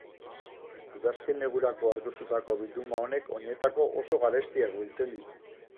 Udazken-negurako aurkeztutako bilduma honek oinetako oso garestiak biltzen ditu.